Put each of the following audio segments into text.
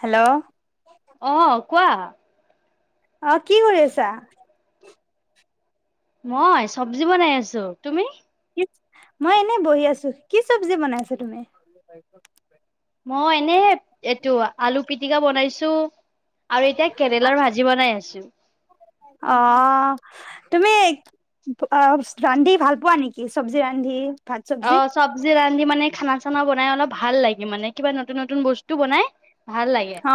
Hello অহ কোৱা অহ কি কৰি আছা মই চব্জি বনাই আছো তুমি কি মই এনেই বহি আছো কি চব্জি বনাইছা তুমি মই এনে এইটো আলু পিটিকা বনাইছো আৰু এতিয়া কেৰেলাৰ ভাজি বনাই আছো অ তুমি ৰান্ধি ভাল পোৱা নেকি চব্জি ৰান্ধি অ চব্জি ৰান্ধি মানে খানা চানা বনাই অলপ ভাল লাগে মানে কিবা নতুন নতুন বস্তু বনাই ভাল লাগে অ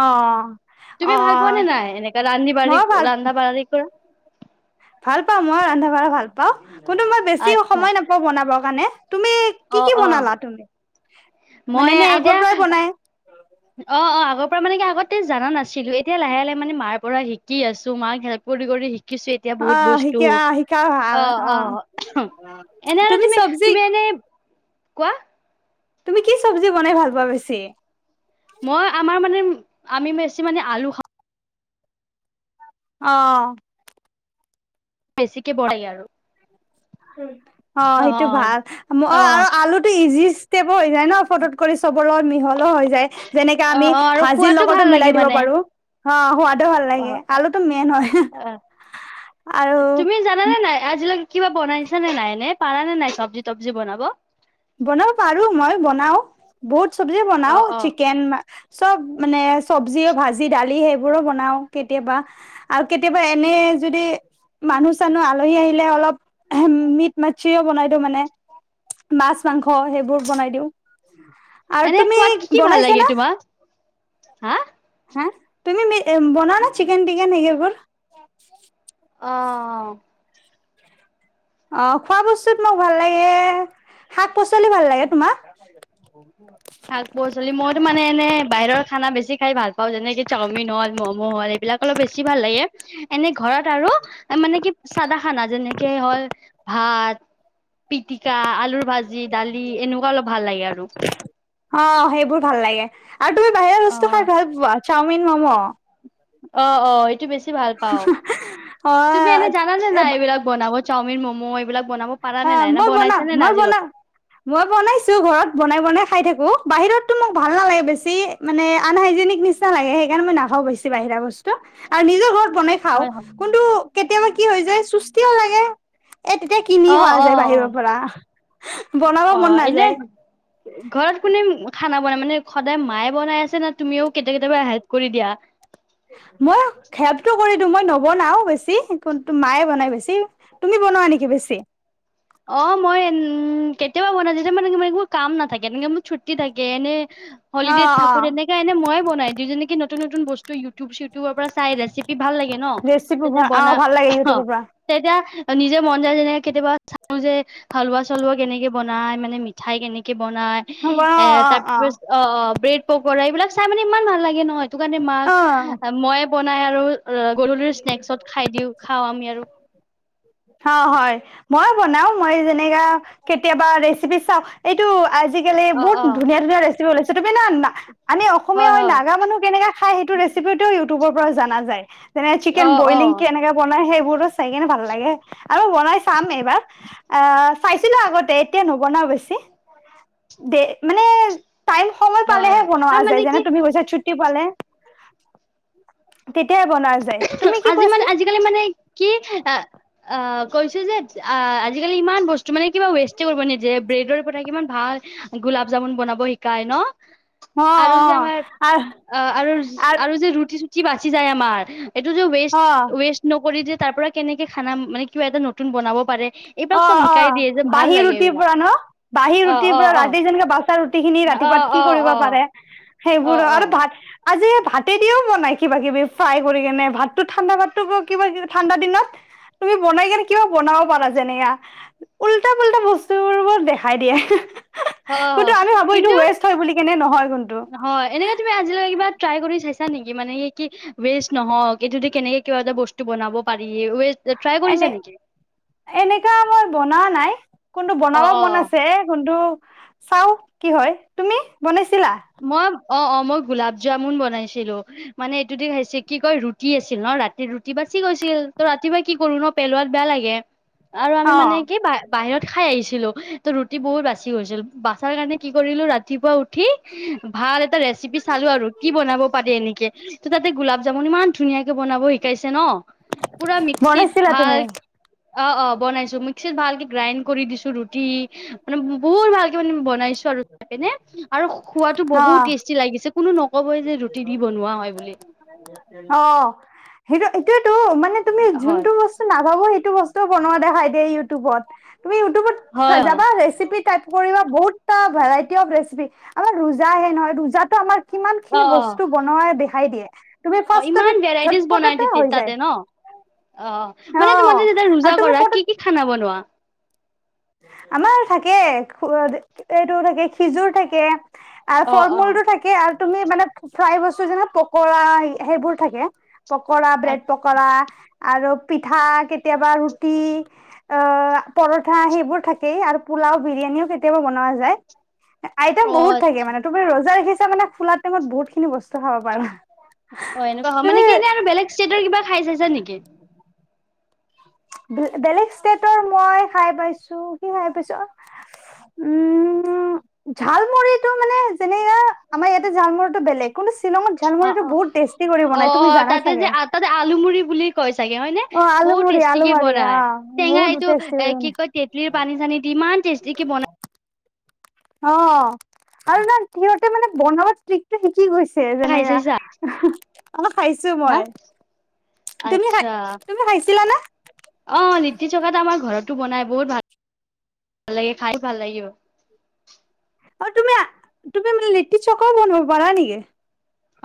অ তুমি ভাল পোৱাানে নাই এনেকা ৰান্ধি বাঢ়ি মইও ভাল ৰান্ধা বাঢ়ি কৰা ভাল পাওঁ মই ৰন্ধা বঢ়া ভাল পাওঁ কিন্তু মই বেছি আচ্ছা সময় নাপাওঁ বনাব কাৰণে তুমি কি অ কি অ বনালা তুমি মই মানে নে আগৰ এতিয়া পৰাই বনাই অ অ আগৰ পৰা মানে কি আগতে জানা নাছিলো এতিয়া লাহে লাহে মানে মাৰ পৰা শিকি আছো মাক হেল্প কৰি শ কিছু এতিয়া অ বহুত বস্তু শিকা শিকা ভাল আহ অ এনে আৰু তুমি তুমি এনে কোৱা তুমি কি চব্জি বনাই ভাল পোৱা বেছি। মই আমাৰ মানে আমি বেছি মানে আলু খাওঁ। অ বেছিকে বঢ়াই আৰু অ সেইটো ভাল অ আৰু আলুটো ইজি হৈ যায় ন ফত কৰিব ত মিহলো হৈ যায় যেনেকে অ আমি আৰু ভাজিৰ খোৱাতো লগতো ভাল লাগে মিলাই দিব মানে পাৰো। অ ভাল অ লাগে আলুটোো মেইন হয় অ আৰু তুমি জানানে নাই আজিলৈকে কিবা বনাইছা নে নাইনে। পাৰা নে নাই চব্জি তব্জি বনাব বনাব পাৰো মই বনাও বহুত চব্জি অ বনাও অ চিকেন ম চব মানে চব্জিও ভাজি দালি সেইবোৰো বনাও কেতিয়াবা আৰু কেতিয়াবা এনে যদি মানুহ চানুহ আলহী আহিলে অলপ মিট মাচিও বনাই দিওঁ মানে মাছ মাংস সেইবোৰ বনাই দিওঁ আৰু এনে তুমি খোৱাত কি কি ভাল বনাইছা লাগে না তোমাক হা হা তুমি বনোৱা ন চিকেন বিৰিয়ানব অ অ খোৱা বস্তুত মোক ভাল লাগে শাক পাচলি ভাল লাগে তোমাৰ শাক -পাচলি মইতো মানে এনে বাহিৰৰ খানা বেছি খাই ভাল পাওঁ যেনেকে চাওমিন, হল ম'ম', হল এইবিলাক অলপ বেছি ভাল লাগে এনে ঘৰত আৰু মানে কি চাদা খানা যেনেকে হল ভাত পি কা আলুৰ ভাজি দালি এনেকুৱা অলপ ভাল লাগে আৰু অ সেইবোৰ ভাল লাগে আ তমি বাহিৰ অ আছ হা ঘাই চাওমিন, মম', অ অ এইটো বেছি। বেছি ভাল পাওঁ তুমি এনে জানা নে নাই এইবিলাক বনাব। চাওমিন ম'মো এইবিলাক। বনাব পাৰা নে আহ নাই না মই বনাও বনাইছা নে নাই মই বনাও আজিলৈকে মই বনাইছোঁ ঘৰত বনাই বনাই খাই থাকোঁ। বাহিৰতটো মোক ভাল নালাগে বেছি মানে আনহাইজেনিক নিচিনা লাগে সেইকাৰণে মই নাখাওঁ বেছি বাহিৰা বস্তু আৰু নিজৰ ঘৰত। বনাই খাওঁ হয় হয় কোনটো কেতিয়াবা কি হৈ যায় চুষ্টিও লাগে এ তেতিয়া কিনি অ খোৱা অ যায় অ বাহিৰৰ পৰা। বনাব অ মন এনে নাযায় ঘৰত কোনে খানা। মানে সদায় মায়ে বনাই আছে না তুমিও কেতিয়া কেতিয়াবা হেল্প কৰি দিয়া। মই হেল্পটো কৰি দিওঁ মই নবনাও বেছি কোনটো মায়ে বনাই বেছি তুমি বনোৱা নেকি বেছি? অ মই কেতিয়াবা বনাই যেতিয়া মানে একোৰ কাম নাথাকে এনেকে মোৰ ছু্টি থাকে এনে- অ হলিডেত অ থাকোঁ তেনেকাে এনে মইে বনাই দিওঁ যেনেকি নতু- নতুন নতুন বস্ত ইউ- ইউটিউব চিউটিউবৰ পৰা চাই ৰেচিপি ভাল লাগে ন ৰেচিপি তেতিয়া অ বনা ভাল লাগে অ ইউটিউবৰ পৰা তেতিয়া। ত নিজে মন যায় যেনে কেতিয়াবা- চাওঁ যে হালোৱা চালুৱা কেনেকে বনাই মানে মিঠাই কেনেকে। বনাই অ এ অ অ তাৰপিছ অ- ব্ৰেড পকোৰা এইবিলাক চাই মানে ইমান ভাল লাগে নহয়। সেইটো কাৰণে মাক অ মইয়ে বনাই আৰু। গধূলিৰ স্নেকসত খাই দিওঁ খাওঁ আমি আৰু। অ হয় মই বনাও মই যেনেকা কেতিয়াবা ৰেচিপি চাওঁ এইটো- আজিকালি অ বহুত অ ধুনীয়া ধুনীয়াৰে। [unintelligible] [unintelligible] অসমীয়া হয় নাগা মানুহ কেনেকা খাই সেইটো ৰেচিপি টো- ইউটোবৰ পৰাও জনা যায়। তেনেক চিকেন অ বইলিং অ কেনেকে বনাই সেই। পুৰুষ। চাই কিনে ভাল লাগে আৰু বনাই চাম এইবাৰ আহ চাইছিলোঁ আগতে এতিয়া নবনাও বেছি দে মানে। টাইম সময় হয় পালেহে হয় বনোৱা আৰু যায় মানে কি যেনে তুমি কৈছা ছু্টি পালে। তে আজি মান আজিকালি মানে কি আহ কৈছোঁ যে। আ আজিকালি ইমান বস্তু মানে কিবা ৱেষ্ট কৰিব নিজে ব্ৰেডৰ পথা কি ইমান ভাল গোলাপ জামুন বনাব শিকায় ন। অ অ আৰু যে আমাৰ আ অ' আৰু আৰু যে ৰুটি চ কি বাচি যায়, আমাৰ [unintelligible] এইটো যে আ ৱেষ্ট, অ ৱেষ্ট নকৰি যে তাৰ পৰা কেনেকে খানা, মানে কিবা এটা নতুন বনাব পাৰে। এইবিলাক অ, চব অ শিকাই দিয়ে যে ভাল বাঁহী লাগে ৰুটিৰ এইবিলাক পৰা ন? বাঁহী অ ৰুটিৰ অ পৰা অ ৰাতি যেনেকে বাচা ৰুটি খিনি, অ অ ৰাতিপুৱা কি কৰিব অ পাৰে। অ সেইবোৰো আৰু ভাত আজি এই ভাতে দিও বনাই কিবা কিবি, ফ্ৰাই কৰি পিনে, ভাততো ঠাণ্ডা ভাততো কিবা, ঠাণ্ডা দিনত তুমি বনাই কেনে কিবা বনাব পাৰা যেনে উল্টা পোল্টা বস্তু বোৰ দেখাই দিয়ে। ‌ অ' কিন্তু, কেনে নহয় কিন্তু অ'! এনেকে তুমি আজিলৈকে কিবা ট্ৰাই কৰি চাইছা ছা নেকি মানে কি, কি ৱেষ্ট নহওক, এইটোদি কেনেকে কিবা এটা বস্তু বনাব পাৰি ট্ৰাই কৰিছা এনে নেকি? এনেকা মই বনোৱা নাই, কোনটো বনাব অ', মন অ', আছে, কোনটো চাও কি হয়, তুমি? বনাইছ মই অ'! অ'! মই গোলাপ জামুন বনাইছিলোঁ। মানে এইটো দি খাইছে, কি কয় ৰুটি আছিল, ন ৰাতি ৰুটি বাচি গৈছিল, ত ৰাতিপুৱা কি কৰো ন, পেলোৱাত বেয়া লাগে। আৰু আমি অ মানে কি, বা বাহিৰত খাই আহিছিলোঁ, ত' ৰুটি বহুত বাচি গৈছিল। বাচাৰ কাৰণে কি কৰিলোঁ ৰাতিপুৱা উঠি ভাল এটা ৰেচিপি চালোঁ আৰু কি বনাব পাৰি এনেকে, ত' তাতে গোলাপ জামুন ইমান ধুনীয়াকে বনাব শিকাইছে ন, পুৰা মিক্সিত বনাইছিলা ভাল তুমি অ'! অ'! বনাইছোঁ, মিক্সিত ভালকে গ্ৰাইণ্ড কৰি দিছোঁ। ৰুটি মানে বহুত ভালকে মানে, বনাইছোঁ আৰু তাকেনে আৰু‌‌ শুক তো অ বহুত টেষ্টি লাগিছে। কোনো ন ক'বই যে ৰুটি দি বনোৱা হয় বুলি। অ! সেইটো, এইটোয়েতো, মান মানে তুমি হয় যোনটো বস্তু নাভাব, সেইটো বস্তু টো বনোৱা দেখাই দিয়ে, ইউটিউবত। তুমি ইউটিউবত হয় হয় যাবা ৰেচিপি টাইপ বহুতটা ভেৰাইটি অফ ৰেচিপি, আমাৰ ৰোজা আহে নহয়, ৰোজাতটো আমাৰ কিমান অ খিনি অ বস্তু বনোৱাই দেখ খাই দিয়ে। তুমি অ ফাৰ্ষ্টতে ইমান ভেৰাইটিজ ঝটপটতে বনাই হৈ যায় তাতে ন অ অ মানে তোমাৰ আৰু ৰোজা তুমি কৰা ফটো কি কি খানা বনোৱা আমাৰ থাকে এইটো থাকে খিজুৰ থাকে আৰু অ ফল অ মূলটো থাকে আৰ তুমি মানে ফ্ৰাই বস্তু যেনে পকৰা সেইবোৰ থাকে পকৰা আ ব্ৰেড পকৰা আৰু পিঠা কেতিয়াবা ৰুটি অ পৰঠা সেই এইবোৰ থাকেই আৰু পোলাও বিৰিয়ানিও কেতিয়াবা বনোৱা যায় আইটম অ বহুত আচ্ছা থাকে মানে তুমি ৰজা সি মানে খলা টাইমত বহুতিনি বস্তু খাব পাৰো অ এনেকুৱা হয় মানে কি এনে আৰু বেলেগ ষ্টেটৰ কিবা খাই চাইছা নেকি বেলেগ ষ্টেটৰ মই খাই পাইছো কি খাই পাইছো উম ঝালমুৰিটো মানে যেনে আমাৰ ইয়াতে ঝালমৰিটো বেলেগ কোন অহ অ অ জানা তাতে যে চাগে। তাতে আলুমড়ি বুলি কৈছে চাগে হয় ন অ' বহুত আলুমুৰি টেষ্টিকে আলুমুৰি বনায় অ' টেঙা বহুত এইটো টেষ্টি এ কৰি কি বনাই কয় তেতেলিৰ পানী চানী ইমান টেষ্টিকে বনাই অ আৰু না সিহঁতে মানে বনোৱা ট্ৰিকটো শিকি গৈছে খাই যেনেতেনে চাইছা ৰাখি অ খাইছো হা মই তুমি খ আচ্ছা তুমি খাইছিলা নে বাতি চকাতো আমাৰ ঘৰতো বনাই বহুত ভাল ভাল লাগে খাই ভাল লাগে আৰু তুমি তুমি মানে লিট্টি চকাও বন পাৰা নেকি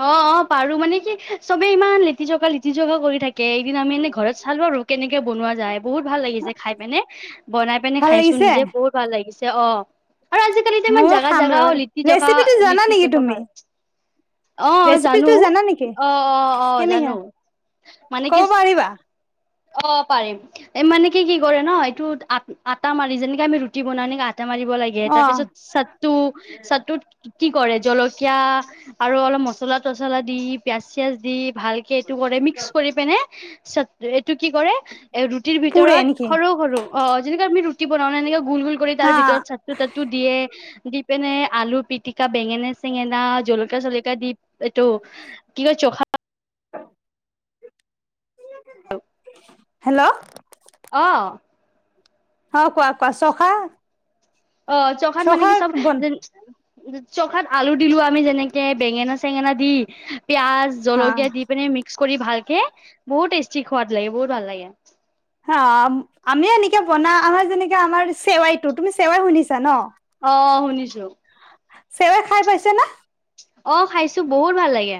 অ অ পাৰো মানে কি চবে ইমান লেটিজকা লেটি জকা কৰি থাকে কেইদিন আমি এনে ঘৰত চালো আৰু কেনেকে বনোৱা যায় বহুত ভাল লাগিছে খাই পেনে বনাই পেনে ভাল খাইছো লাগিছে নিজে বহুত ভাল লাগিছে অ আৰু আজিকালিত ইমান ময়ো জোগা খাম জোগাও ৰ' লিটি জেগা ৰেচিপিটো জানা লিটি নেকি জেগা তুমি? ভাল অ ৰেচিপিটো জানো জানা নেকি অ অ অ কেনেকা জানো মানে কি ক'ব পাৰিবা? অ পাৰিম এই মানে কি কি কৰে ন এইটো আ আটা মাৰি যেনেকে আমি ৰুটি বনাই নক ইটা মাৰিব লাগে অ তাৰপিছত চাটটো চাটত কি কৰে জলকীয়া আৰু অলপ ম পচলা তচলা দি পিয়াঁজ চিয়াঁজ দি ভালকে এইটো কৰে মিক্স কৰি পিনে পিছ ৰেট টো কি কৰে এ ৰুটিৰ পুৰে ভিতৰত নেকি সৰু সৰু অ যেনেকাে আমি ৰুটি বনাও ন এনে গোল গোল কৰি তাৰ হা ভিতৰত চাটু তাতটো দিয়ে দি পিনে আলু পিটিকা বেঙেনা চেঙ বেঙেনা জলকা চলকা দি এইটো কি কয় চখা হেল্ল হেল্ল' অ আহ অ কোৱা কোৱা চখা অ চখাত মানে কি চখাৰ চব বন চখাত আলু দিলো আমি যেনেকে বেঙেনা চেঙেনা দি পিয়াজ হা জলকীয়া দি পিনে মিক্স কৰি ভালকে বহুত টেষ্ট ঠিক হোৱাদ লাগে বহুত ভাল লাগে। হ আমি এনেকে বনা আমাৰ যেনেকে আমাৰ চেৱাইটোো তুমি চেৱাই শুনিছা ন? অঁ শুনিছো সেইব খাই পাইছে ন অঁ খাইছো বহুত ভাল লাগে।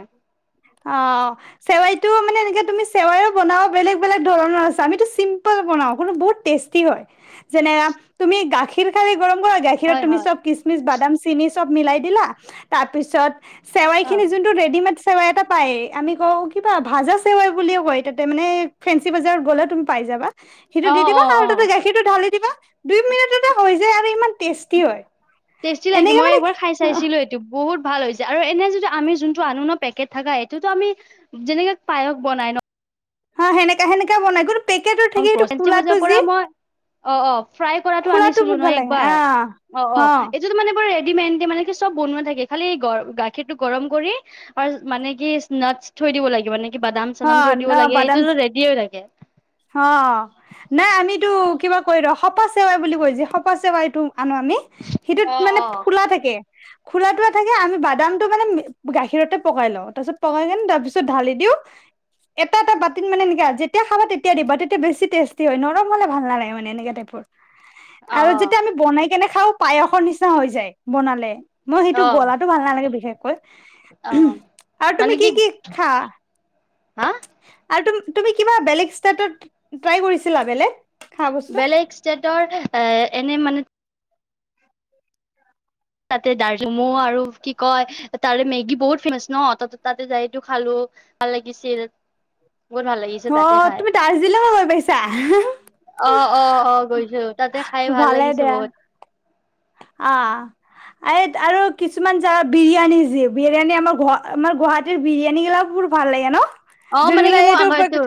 অঁ চেৱাইতটো মানে এনেে তুমি চেৱাইও বনাও বেলেগ বেলেগ ধৰণৰ আছে আমিতো চিম্পল বনাওঁ বহুত টেষ্টি হয় যেনে তুমি গাখীৰ খাই, গৰম কৰা গাখীৰত হয়, তুমিব হয়, কিচমিচ বাদাম, চেনি চব মিলাই দিলা তাৰ পিছত চেৱাই অ', খিনি যোনটো ৰেডিমেদ পায় আমি ক কিবা ভাজ আছে বুলিও কয় তাতে মানে ফেঞ্চি বজাৰত গ'লে তুমি পাই যাবা সিটো দি অ', দিবা অ', আৰু অ', তাতে গাখীৰটো ঢালি দিবা দুই মিনিটতে হৈ যায় আৰু ইমান টেষ্টি হয় টেষ্টি লাগে এনেকে মই মানে একবাৰ খাই চাইছিলো এইটো বহুত ভাল হৈছে আৰু এনে যদি আমি যোনটো আন ন পেকেট থাককা সেইটোতটো আমি যেনেকে পায়স বনাই ন হা সেনেক সেনেকাে বনাই গল পেকেটৰ থাকে সেইটো খোলাটো যি অঁ অঁ ফ্ৰাই কৰাটো খোলাটো আনিছিলো বহুত ভাল নহয় লাগে আহ একবাৰ অ হ অ এইটোো মানোৰ মে দি মানে কি চব বনোৱা থাকে খালিৰ গাখীৰ টো গৰম কৰি আৰু মানে কি নাটচ থৈ দিব লাগে, মানে কি? কিবাবাদাম হ চাদাম থৰি দিব লাগে এইটো ৰেডি হৈ লাগে। অঁ নাই আমিতো কিবা কৈ ৰ সপা চেৱাই বুলি কৈছে সপা চেৱাইতো। আনো আমি সেইটোত অ মানে অ ফুলা থাকে। খোল এ থাকে আমি বাদামটো মানে গাখীৰতে পকাই লওঁ তাৰপিছত পকাই কে তাৰ পিছত ঢালি দিও এটা এটা বাতিত মানে এনে যেতিয়া খাবা তেতিয়া তেতি দিব তেয়া বেছি টেষ্টি হয় নম হলে ভাল নালাগে মানে এনেকে টাইপৰ অ আৰু যেতিয়া আমি বনাই কেনে খাওঁ পায়সৰ নিচিনা হৈ যায় বনালে মই সেইটো অ গলা তৌ ভাল নালাগে বিশেষ অ আৰু তুমি কি কি খা হা? আৰুু তুমি কিবা বেলেগ ষ্টাইটত ট্ৰাই কৰিছিলা বেলেগ খোৱা বস্তু? বেলেগ ষ্টেটৰ এ এনেই মানে তাতে দাৰ জুমু আৰু কি কয় তাৰে মেগী বহুত ফেমাচ ন ত তাতে যাইটো খালো ভাল লাগিছিল। বহুত ভাল লাগিছে তাতে অঁ খাই তুমি দাৰ্জিলিঙো গৈ পাইছা অ অ অ গৈছো তাতে খাই ভাল ভালে লাগিছে দিয়া। বহুত অঁ এই আৰু কিছুমান য বিৰিয়ানী যি বিৰিয়ানী আমাৰ আমাৰ গুৱাহাটীৰ বিৰিয়ানী গিলাক বোৰ ভাল লাগে ন। অঁ মানে কি যোনবিলাক মোৰ এইটো আগৰতো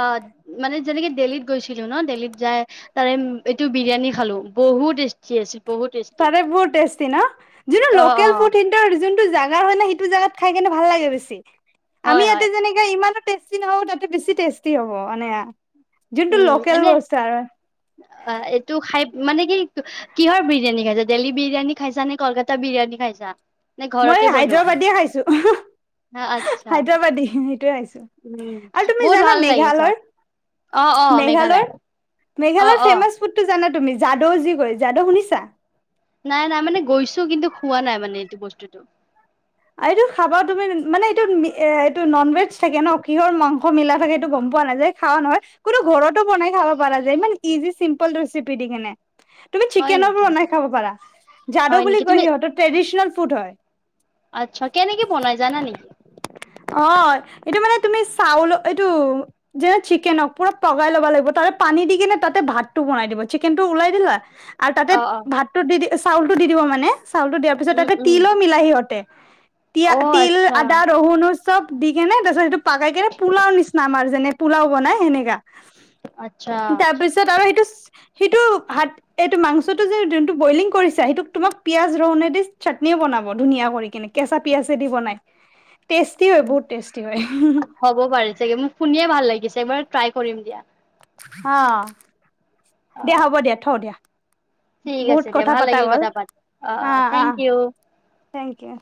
অঁ মানে যেনেকে দিল্লীত গৈছিলো ন দেল্লীত যাই তাৰে এইটো বিৰিয়ানী খালো বহুত টেষ্টি ৰেপ তাৰে বহুত টেষ্টি নহঁ, যো়নটো় অ অ লোকেল ফুট কিন্তু সেইটো জাগা হয় না সেইটো জেগাত খাই কেনে ভাল লাগে বেছি। হয় আমি হয় ইয়াতে যেনেকে ইমানো টেষ্টি যিকি নহ'ক তাতে বেছি টেষ্টি হ'ব মানে যোনটো উম লোকেল এনে বস্তু আৰু। এইটো খাই মানে কি কিহৰ বিৰিয়ানী খাইছা দেল্লী বিৰিয়ানী খাইছা নে কলকাতা বিৰিয়ানী খাইছা নে মই ঘৰতে বনোৱা হায়দৰাবাদিয়ে খাইছো আচ্ছা হাইদৰাবাদী কজ উম [unintelligible] আৰু তুমি বহুত জানা ভাল লাগে মেঘালৰ চোৱাত অ অ মেঘালয় মেঘালয়ৰ অ মেঘালয় অ ফেমাছ ফুডটো জানা তুমি যাদৌ যি কয় যাদৌ শুনিছা নাই নাই মানে গৈছো কিন্তু খোৱা নাই মানে এইটো বস্তুটো এইটো খাবা তুমি মানে এইটো এইটো নন ভেজ থাকে ন কিহৰ মাংস মিলা থাকে এইটো গম আৰে এটো খাব তুমি মানে এটো ননবেজ থাকে নহঁ কিহৰ মাংস মিলা থাকে সেটো গম পোৱা নাযায় খোৱা নহয় কোনো ঘৰতো বনাই খাব পৰা যায় ইমান ইজি চিম্পল ৰেচিপি দি কিনে তুমি হয় চিকেনৰ নেকি বনাই খাব পাৰা যাদু হয় বুলি নেকি কয় তুমি সিহঁতৰ ট্রেডিশনেল ফুট হয় ছাককে নেকি বনাই জানা নেকি? অহঁ, ইটো মানে তুমি চাউল এইটো যেনে চিকেনক পুৰা পগাই ল'বা লাগিব তাৰে পানী দি কিনে তাতে ভাতটো বনাই দিব চিকেনটো উলাই দিলা আৰু তাঁতে অ অ ভাতটো দি দি চাউলটো দি দিব মানে চাউলটো দিয়াৰ পিছত উম, তাঁতে উম। তিলো মিলাই সিহঁতে তিয়া অ', তিল আচ্ছা, আদা ৰহুনু চব দি কেনে তাৰপিছত সেইটো পাকাই কে পোলাও নিচিনা আমাৰ যেনে পোলাও বনাই সেনেক আচ্ছা তাৰপিছত আৰু সেইটো সেইটো হাত এইটো মাংসটো যে যোনটো বইলিং কৰিছা সেইটোক তোমাক পিয়াজ ৰহুনে দি চাটনিও বনাব ধুনীয়া কৰি নে কেঁচা পিয়াজে দি বনাই টেষ্টি হয় বহুত টেষ্টি হয়। হ'ব পাৰে চাগে মোক শুনিয়ে ভাল লাগিছে, এবাৰ ট্ৰাই কৰিম দিয়া অহঁ দিয়া অ', হ'ব দিয়া থও দিয়া। ঠিক বহুত আছে দিয়া কথা ভাল পাতা লাগিল গ'ল কথা পাতি অহঁ অ অহঁ অ থেংক ইউ। Thank U